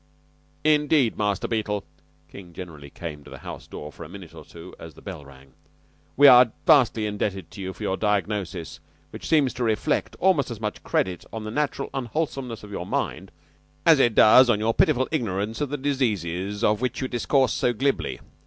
"Indeed, Master Beetle" King generally came to the house door for a minute or two as the bell rang "we are vastly indebted to you for your diagnosis, which seems to reflect almost as much credit on the natural unwholesomeness of your mind as it does upon your pitiful ignorance of the diseases of which you discourse so glibly.